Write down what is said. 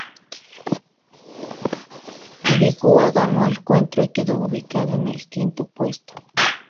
Biguá ganó el encuentro y quedó ubicado en el quinto puesto.